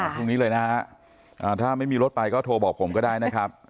พรุ่งนี้เลยนะฮะถ้าไม่มีรถไปก็โทรบอกผมก็ได้นะครับ